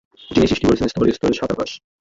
যিনি সৃষ্টি করেছেন স্তরে স্তরে সাত আকাশ।